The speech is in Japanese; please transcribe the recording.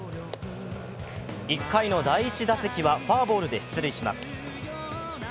１回の第１打席はフォアボールで出塁します。